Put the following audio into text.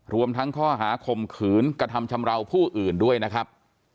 รวมทั้งข้อหาข่มขืนกระทำชำราวผู้อื่นด้วยนะครับ